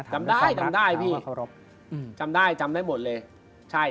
จำได้จำได้จำได้หมดเลย